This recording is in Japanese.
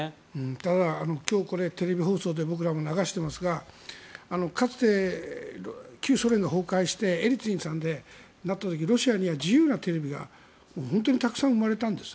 ただ、今日これテレビ放送で僕らも流してますがかつて、旧ソ連が崩壊してエリツィンさんになった時ロシアには自由なテレビが本当にたくさん生まれたんです。